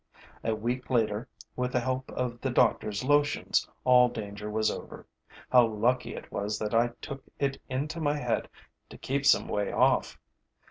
A week later, with the help of the doctor's lotions, all danger was over. How lucky it was that I took it into my head to keep some way off!